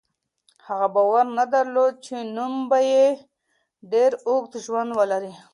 هغه باور نه درلود چې نوم به یې ډېر اوږد ژوند ولري.